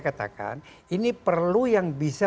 katakan ini perlu yang bisa